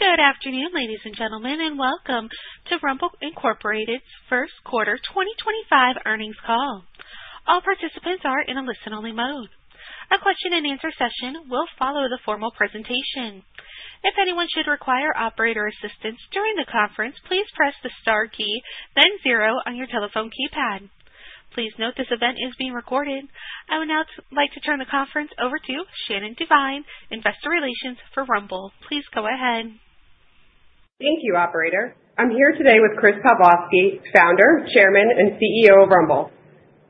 Good afternoon, ladies and gentlemen, and welcome to Rumble's first quarter 2025 earnings call. All participants are in a listen-only mode. Our question-and-answer session will follow the formal presentation. If anyone should require operator assistance during the conference, please press the star key, then zero on your telephone keypad. Please note this event is being recorded. I would now like to turn the conference over to Shannon Devine, Investor Relations for Rumble. Please go ahead. Thank you, Operator. I'm here today with Chris Pavlovski, founder, chairman, and CEO of Rumble,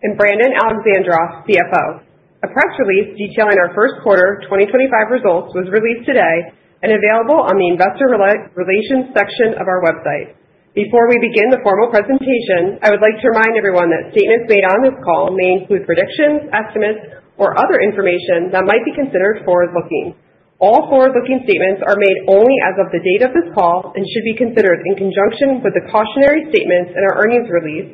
and Brandon Alexandroff, CFO. A press release detailing our first quarter 2025 results was released today and available on the Investor Relations section of our website. Before we begin the formal presentation, I would like to remind everyone that statements made on this call may include predictions, estimates, or other information that might be considered forward-looking. All forward-looking statements are made only as of the date of this call and should be considered in conjunction with the cautionary statements in our earnings release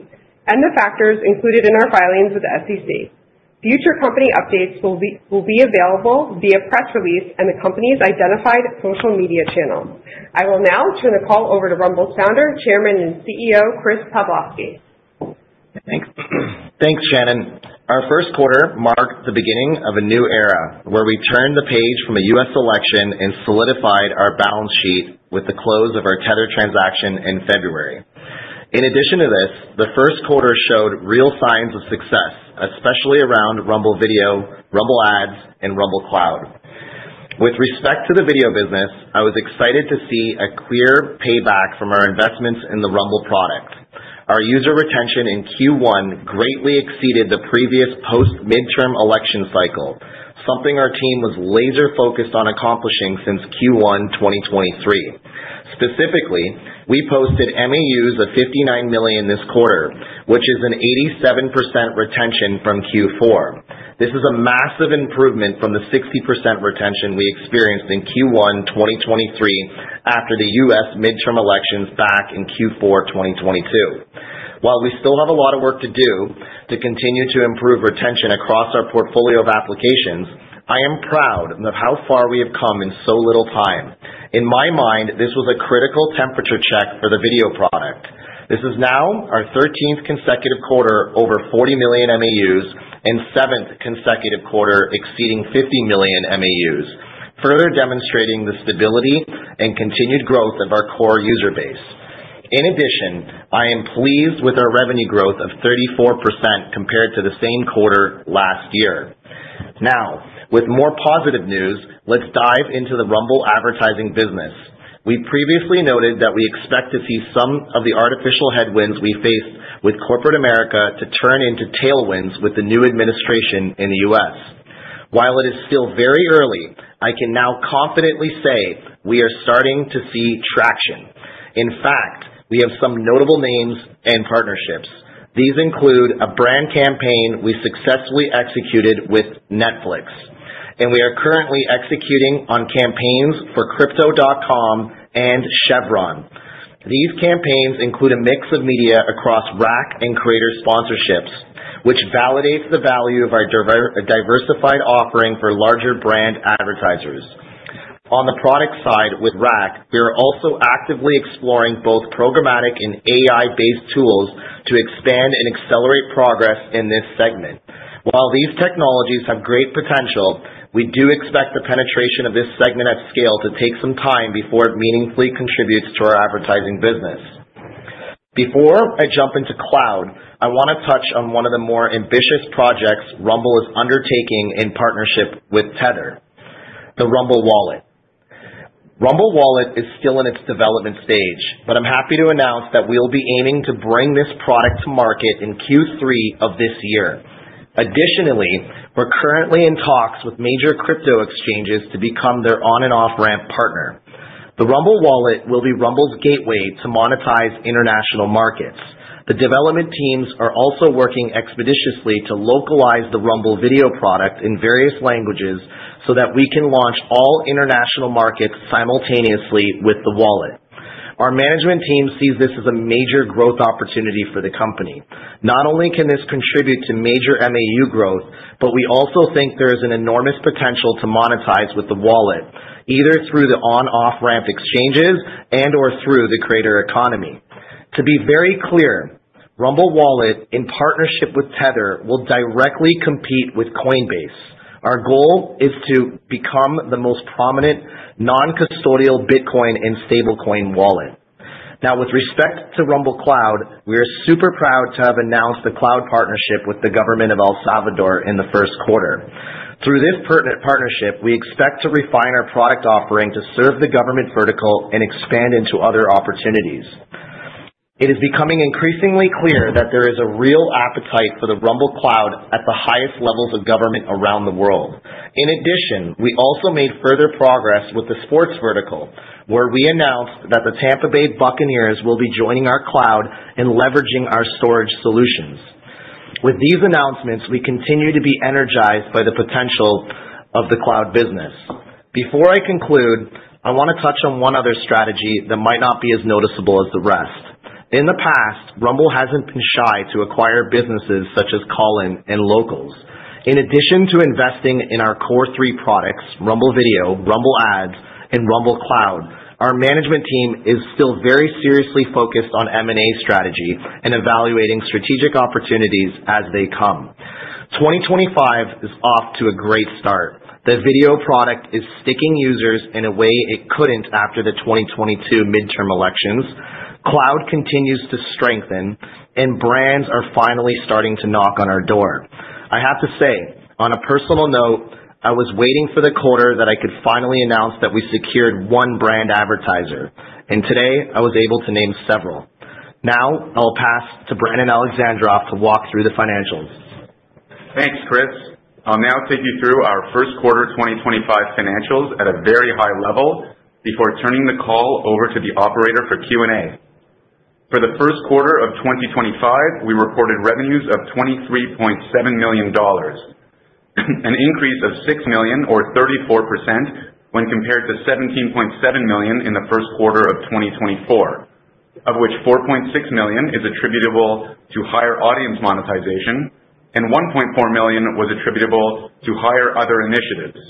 and the factors included in our filings with the SEC. Future company updates will be available via press release and the company's identified social media channel. I will now turn the call over to Rumble's founder, chairman, and CEO, Chris Pavlovski. Thanks. Thanks, Shannon. Our first quarter marked the beginning of a new era where we turned the page from a U.S. election and solidified our balance sheet with the close of our Tether transaction in February. In addition to this, the first quarter showed real signs of success, especially around Rumble Video, Rumble Ads, and Rumble Cloud. With respect to the video business, I was excited to see a clear payback from our investments in the Rumble product. Our user retention in Q1 greatly exceeded the previous post-midterm election cycle, something our team was laser-focused on accomplishing since Q1 2023. Specifically, we posted MAUs of 59 million this quarter, which is an 87% retention from Q4. This is a massive improvement from the 60% retention we experienced in Q1 2023 after the U.S. midterm elections back in Q4 2022. While we still have a lot of work to do to continue to improve retention across our portfolio of applications, I am proud of how far we have come in so little time. In my mind, this was a critical temperature check for the video product. This is now our 13th consecutive quarter over 40 million MAUs and seventh consecutive quarter exceeding 50 million MAUs, further demonstrating the stability and continued growth of our core user base. In addition, I am pleased with our revenue growth of 34% compared to the same quarter last year. Now, with more positive news, let's dive into the Rumble advertising business. We previously noted that we expect to see some of the artificial headwinds we faced with corporate America to turn into tailwinds with the new administration in the U.S. While it is still very early, I can now confidently say we are starting to see traction. In fact, we have some notable names and partnerships. These include a brand campaign we successfully executed with Netflix, and we are currently executing on campaigns for Crypto.com and Chevron. These campaigns include a mix of media across Rumble Ads and creator sponsorships, which validates the value of our diversified offering for larger brand advertisers. On the product side with Rumble Ads, we are also actively exploring both programmatic and AI-based tools to expand and accelerate progress in this segment. While these technologies have great potential, we do expect the penetration of this segment at scale to take some time before it meaningfully contributes to our advertising business. Before I jump into cloud, I want to touch on one of the more ambitious projects Rumble is undertaking in partnership with Tether: the Rumble Wallet. Rumble Wallet is still in its development stage, but I'm happy to announce that we'll be aiming to bring this product to market in Q3 of this year. Additionally, we're currently in talks with major crypto exchanges to become their on-and-off ramp partner. The Rumble Wallet will be Rumble's gateway to monetize international markets. The development teams are also working expeditiously to localize the Rumble Video product in various languages so that we can launch all international markets simultaneously with the wallet. Our management team sees this as a major growth opportunity for the company. Not only can this contribute to major MAU growth, but we also think there is an enormous potential to monetize with the wallet, either through the on- and off-ramp exchanges and/or through the creator economy. To be very clear, Rumble Wallet, in partnership with Tether, will directly compete with Coinbase. Our goal is to become the most prominent non-custodial Bitcoin and stablecoin wallet. Now, with respect to Rumble Cloud, we are super proud to have announced the cloud partnership with the government of El Salvador in the first quarter. Through this pertinent partnership, we expect to refine our product offering to serve the government vertical and expand into other opportunities. It is becoming increasingly clear that there is a real appetite for the Rumble Cloud at the highest levels of government around the world. In addition, we also made further progress with the sports vertical, where we announced that the Tampa Bay Buccaneers will be joining our cloud and leveraging our storage solutions. With these announcements, we continue to be energized by the potential of the cloud business. Before I conclude, I want to touch on one other strategy that might not be as noticeable as the rest. In the past, Rumble hasn't been shy to acquire businesses such as Callin and Locals. In addition to investing in our core three products, Rumble Video, Rumble Ads, and Rumble Cloud, our management team is still very seriously focused on M&A strategy and evaluating strategic opportunities as they come. 2025 is off to a great start. The video product is sticking users in a way it couldn't after the 2022 midterm elections. Cloud continues to strengthen, and brands are finally starting to knock on our door. I have to say, on a personal note, I was waiting for the quarter that I could finally announce that we secured one brand advertiser, and today I was able to name several. Now, I'll pass to Brandon Alexandroff to walk through the financials. Thanks, Chris. I'll now take you through our first quarter 2025 financials at a very high level before turning the call over to the operator for Q&A. For the first quarter of 2025, we reported revenues of $23.7 million, an increase of $6 million, or 34%, when compared to $17.7 million in the first quarter of 2024, of which $4.6 million is attributable to higher audience monetization, and $1.4 million was attributable to higher other initiatives.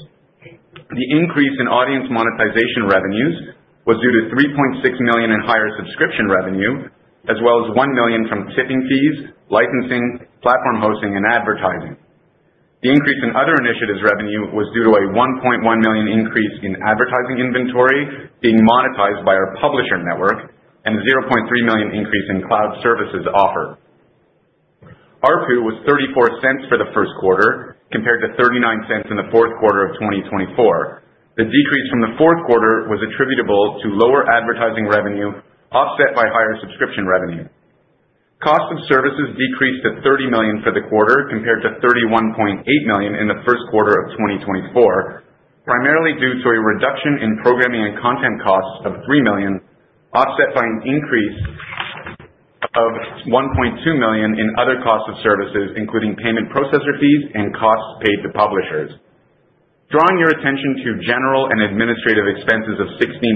The increase in audience monetization revenues was due to $3.6 million in higher subscription revenue, as well as $1 million from tipping fees, licensing, platform hosting, and advertising. The increase in other initiatives revenue was due to a $1.1 million increase in advertising inventory being monetized by our publisher network and a $0.3 million increase in cloud services offered. ARPU was $0.34 for the first quarter, compared to $0.39 in the fourth quarter of 2024. The decrease from the fourth quarter was attributable to lower advertising revenue offset by higher subscription revenue. Cost of services decreased to $30 million for the quarter, compared to $31.8 million in the first quarter of 2024, primarily due to a reduction in programming and content costs of $3 million, offset by an increase of $1.2 million in other costs of services, including payment processor fees and costs paid to publishers. Drawing your attention to general and administrative expenses of $16.6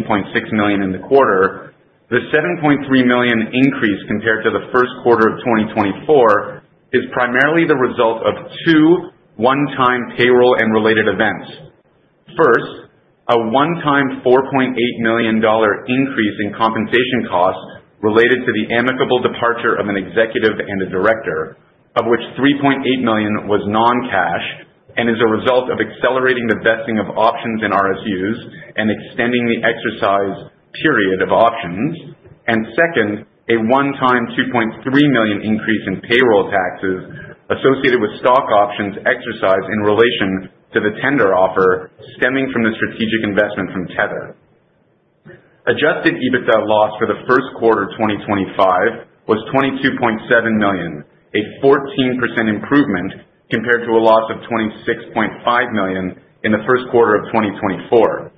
million in the quarter, the $7.3 million increase compared to the first quarter of 2024 is primarily the result of two one-time payroll and related events. First, a one-time $4.8 million increase in compensation costs related to the amicable departure of an executive and a director, of which $3.8 million was non-cash and is a result of accelerating the vesting of options in RSUs and extending the exercise period of options. Second, a one-time $2.3 million increase in payroll taxes associated with stock options exercise in relation to the tender offer stemming from the strategic investment from Tether. Adjusted EBITDA loss for the first quarter 2025 was $22.7 million, a 14% improvement compared to a loss of $26.5 million in the first quarter of 2024.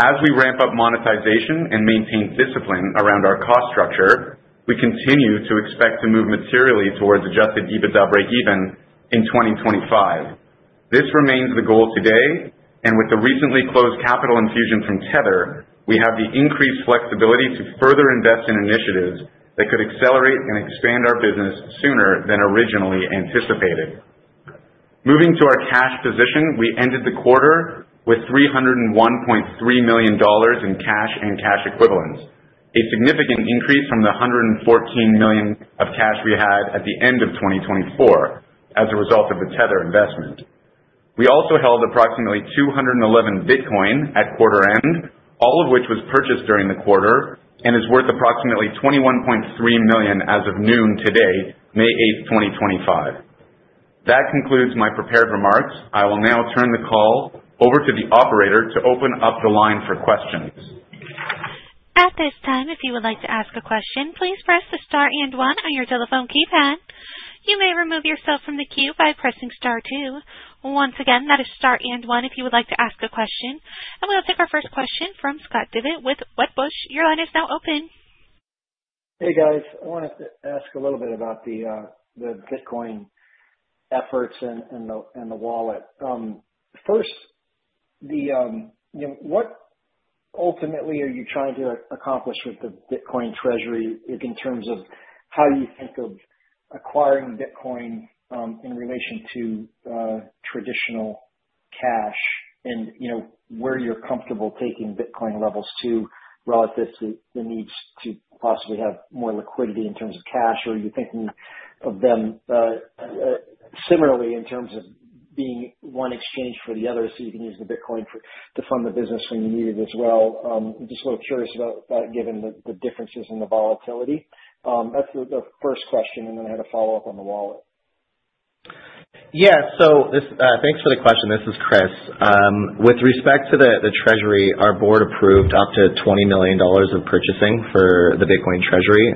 As we ramp up monetization and maintain discipline around our cost structure, we continue to expect to move materially towards Adjusted EBITDA break-even in 2025. This remains the goal today, and with the recently closed capital infusion from Tether, we have the increased flexibility to further invest in initiatives that could accelerate and expand our business sooner than originally anticipated. Moving to our cash position, we ended the quarter with $301.3 million in cash and cash equivalents, a significant increase from the $114 million of cash we had at the end of 2024 as a result of the Tether investment. We also held approximately 211 Bitcoin at quarter end, all of which was purchased during the quarter and is worth approximately $21.3 million as of noon today, May 8th, 2025. That concludes my prepared remarks. I will now turn the call over to the operator to open up the line for questions. At this time, if you would like to ask a question, please press the star and one on your telephone keypad. You may remove yourself from the queue by pressing star two. Once again, that is star and one if you would like to ask a question. We will take our first question from Scott Devitt with Wedbush. Your line is now open. Hey, guys. I wanted to ask a little bit about the Bitcoin efforts and the wallet. First, what ultimately are you trying to accomplish with the Bitcoin treasury in terms of how you think of acquiring Bitcoin in relation to traditional cash and where you're comfortable taking Bitcoin levels to relative to the needs to possibly have more liquidity in terms of cash, or are you thinking of them similarly in terms of being one exchange for the other so you can use the Bitcoin to fund the business when you need it as well? I'm just a little curious about that given the differences in the volatility. That's the first question, and then I had a follow-up on the wallet. Yeah. Thanks for the question. This is Chris. With respect to the treasury, our board approved up to $20 million of purchasing for the Bitcoin treasury.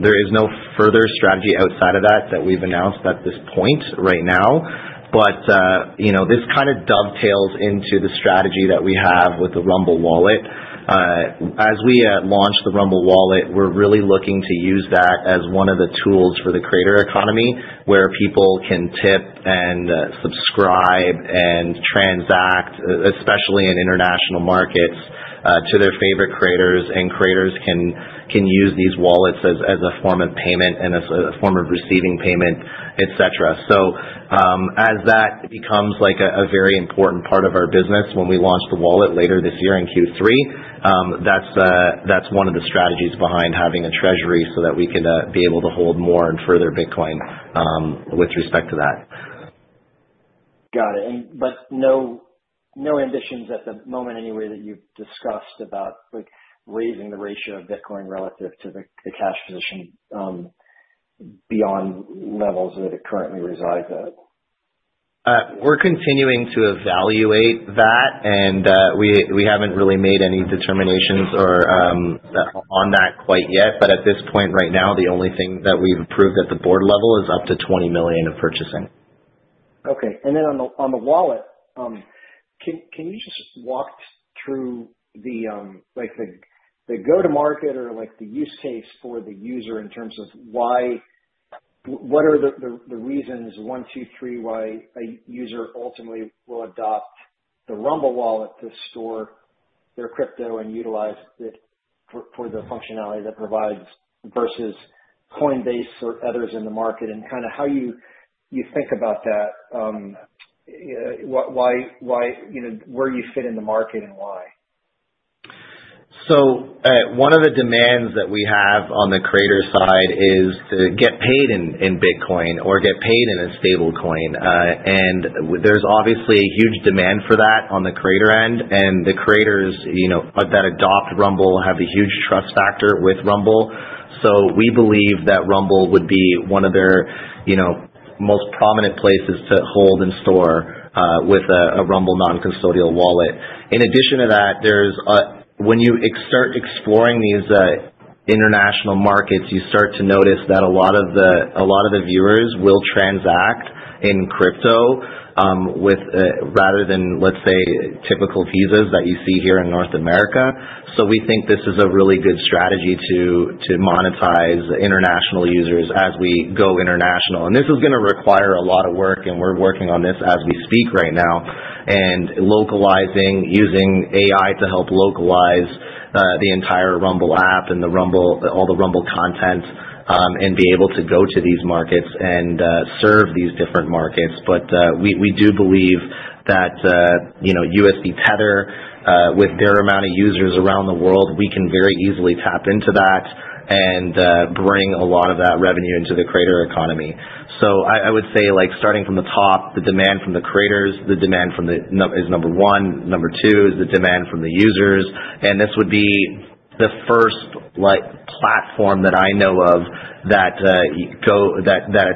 There is no further strategy outside of that that we've announced at this point right now, but this kind of dovetails into the strategy that we have with the Rumble Wallet. As we launch the Rumble Wallet, we're really looking to use that as one of the tools for the creator economy where people can tip and subscribe and transact, especially in international markets, to their favorite creators, and creators can use these wallets as a form of payment and as a form of receiving payment, etc. As that becomes a very important part of our business when we launch the wallet later this year in Q3, that's one of the strategies behind having a treasury so that we can be able to hold more and further Bitcoin with respect to that. Got it. No ambitions at the moment anywhere that you've discussed about raising the ratio of Bitcoin relative to the cash position beyond levels that it currently resides at? We're continuing to evaluate that, and we haven't really made any determinations on that quite yet, but at this point right now, the only thing that we've approved at the board level is up to $20 million of purchasing. Okay. On the wallet, can you just walk through the go-to-market or the use case for the user in terms of what are the reasons, one, two, three, why a user ultimately will adopt the Rumble Wallet to store their crypto and utilize it for the functionality that it provides versus Coinbase or others in the market and kind of how you think about that? Where do you fit in the market and why? One of the demands that we have on the creator side is to get paid in Bitcoin or get paid in a stablecoin. There is obviously a huge demand for that on the creator end, and the creators that adopt Rumble have a huge trust factor with Rumble. We believe that Rumble would be one of their most prominent places to hold and store with a Rumble non-custodial wallet. In addition to that, when you start exploring these international markets, you start to notice that a lot of the viewers will transact in crypto rather than, let's say, typical Visas that you see here in North America. We think this is a really good strategy to monetize international users as we go international. This is going to require a lot of work, and we're working on this as we speak right now and localizing, using AI to help localize the entire Rumble app and all the Rumble content and be able to go to these markets and serve these different markets. We do believe that USDT Tether, with their amount of users around the world, we can very easily tap into that and bring a lot of that revenue into the creator economy. I would say, starting from the top, the demand from the creators, the demand is number one. Number two is the demand from the users. This would be the first platform that I know of that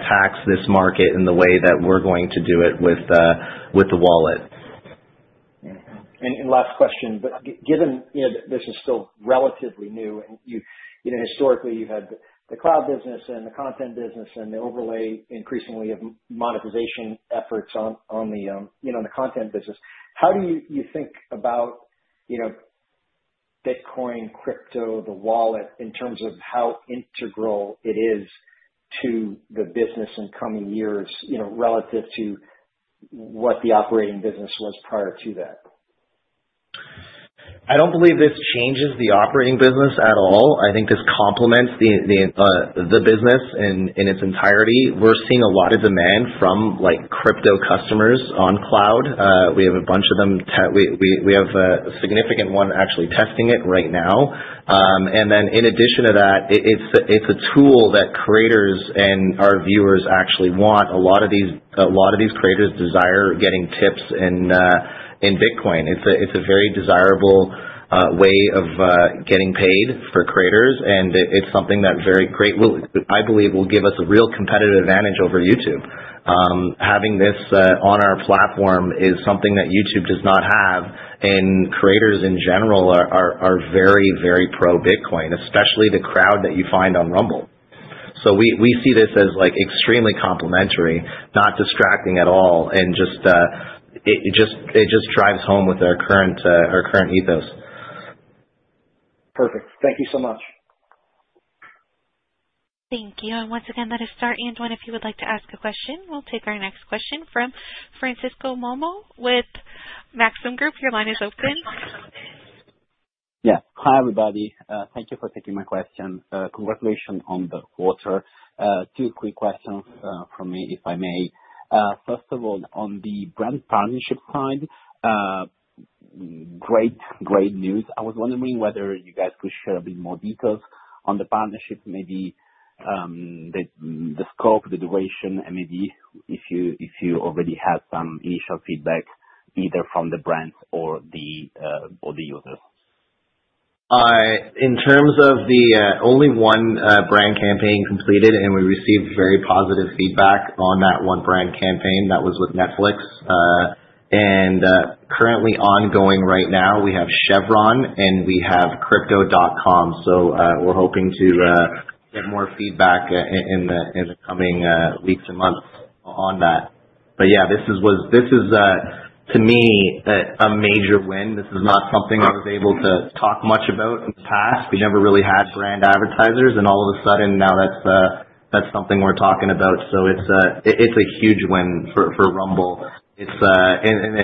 attacks this market in the way that we're going to do it with the wallet. Last question, but given this is still relatively new, and historically, you had the cloud business and the content business and the overlay increasingly of monetization efforts on the content business. How do you think about Bitcoin, crypto, the wallet in terms of how integral it is to the business in coming years relative to what the operating business was prior to that? I do not believe this changes the operating business at all. I think this complements the business in its entirety. We are seeing a lot of demand from crypto customers on cloud. We have a bunch of them. We have a significant one actually testing it right now. In addition to that, it is a tool that creators and our viewers actually want. A lot of these creators desire getting tips in Bitcoin. It is a very desirable way of getting paid for creators, and it is something that, I believe, will give us a real competitive advantage over YouTube. Having this on our platform is something that YouTube does not have, and creators in general are very, very pro-Bitcoin, especially the crowd that you find on Rumble. We see this as extremely complementary, not distracting at all, and it just drives home with our current ethos. Perfect. Thank you so much. Thank you. Once again, that is star and one. If you would like to ask a question, we'll take our next question from Francisco Momo with Maxim Group. Your line is open. Yeah. Hi, everybody. Thank you for taking my question. Congratulations on the quarter. Two quick questions from me, if I may. First of all, on the brand partnership side, great, great news. I was wondering whether you guys could share a bit more details on the partnership, maybe the scope, the duration, and maybe if you already had some initial feedback either from the brands or the users. In terms of the only one brand campaign completed, and we received very positive feedback on that one brand campaign. That was with Netflix. Currently ongoing right now, we have Chevron and we have Crypto.com. We are hoping to get more feedback in the coming weeks and months on that. Yeah, this is, to me, a major win. This is not something I was able to talk much about in the past. We never really had brand advertisers, and all of a sudden, now that's something we're talking about. It is a huge win for Rumble. It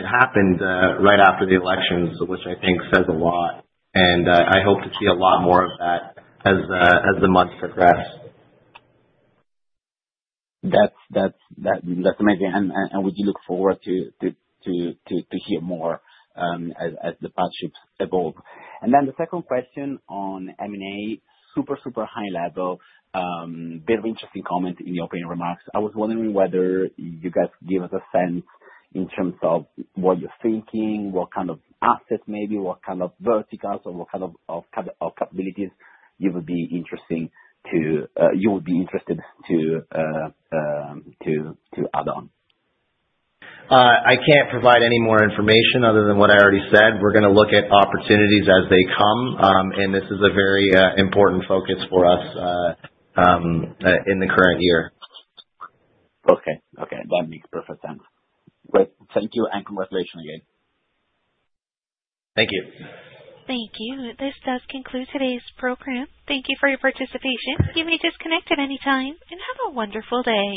happened right after the election, which I think says a lot. I hope to see a lot more of that as the months progress. That's amazing. We do look forward to hear more as the partnerships evolve. The second question on M&A, super, super high level, very interesting comment in the opening remarks. I was wondering whether you guys give us a sense in terms of what you're thinking, what kind of assets maybe, what kind of verticals, or what kind of capabilities you would be interested to add on. I can't provide any more information other than what I already said. We're going to look at opportunities as they come, and this is a very important focus for us in the current year. Okay. Okay. That makes perfect sense. Great. Thank you and congratulations again. Thank you. Thank you. This does conclude today's program. Thank you for your participation. You may disconnect at any time and have a wonderful day.